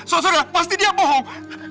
saudara pasti dia bohong